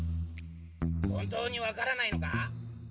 ・本当にわからないのか？